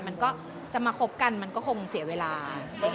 มันก็จะมาคบกันมันก็คงเสียเวลา